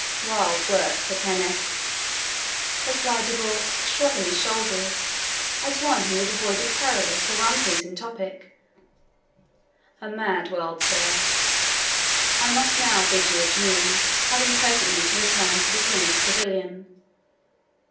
"Wild work, Sir Kenneth," replied De Vaux, shrugging his shoulders, as one who would avoid a perilous or unpleasing topic "a mad world, sir. I must now bid you adieu, having presently to return to the King's pavilion.